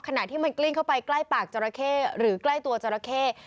ขณะที่มันกลิ้งเข้าไปใกล้ปากจราเข้หรือใกล้ตัวจราเข้